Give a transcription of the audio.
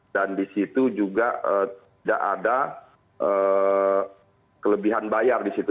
dan di situ juga tidak ada kelebihan bayar di situ